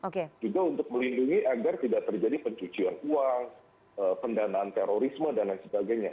juga untuk melindungi agar tidak terjadi pencucian uang pendanaan terorisme dan lain sebagainya